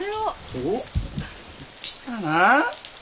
おお来たな！